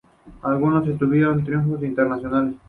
Algunos obtuvieron triunfos internacionales.